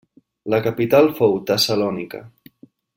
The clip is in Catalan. La capital fou Tessalònica.